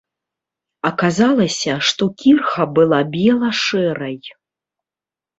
Аказалася, што кірха была бела-шэрай.